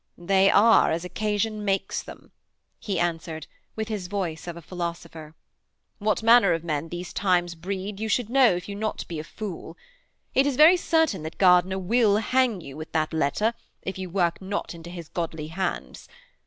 'They are as occasion makes them,' he answered, with his voice of a philosopher. 'What manner of men these times breed you should know if you be not a fool. It is very certain that Gardiner will hang you, with that letter, if you work not into his goodly hands.